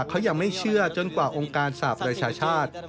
เขายังไม่เชื่อจนกว่าองค์การสหประชาชาติ